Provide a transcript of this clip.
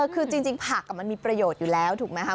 คือจริงผักมันมีประโยชน์อยู่แล้วถูกไหมคะ